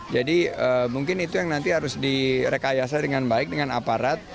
jadi mungkin itu yang nanti harus direkayasa dengan baik dengan aparat